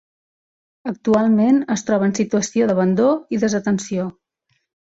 Actualment es troba en situació d'abandó i desatenció.